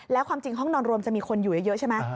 แล้วความจริงห้องนอนรวมจะมีคนอยู่เยอะใช่ไหม